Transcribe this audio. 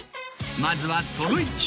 まずはその１。